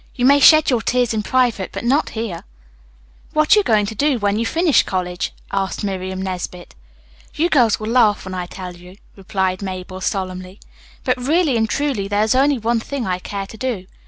You may shed your tears in private, but not here." "What are you going to do when you finish college?" asked Miriam Nesbit. "You girls will laugh when I tell you," replied Mabel solemnly, "but really and truly there is only one thing I care to do.